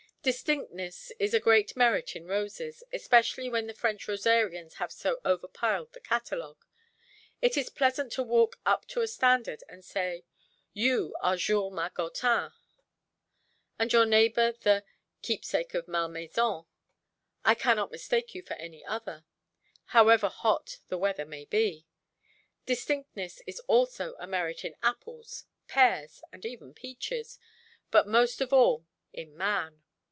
Distinctness is a great merit in roses, especially when the French rosarians have so overpiled the catalogue. It is pleasant to walk up to a standard, and say, "You are 'Jules Margottin', and your neighbour the 'Keepsake of Malmaison;' I cannot mistake you for any other, however hot the weather may be". Distinctness is also a merit in apples, pears, and even peaches; but most of all in man.